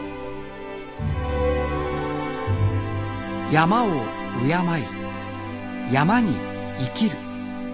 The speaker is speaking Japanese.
山を敬い山に生きる。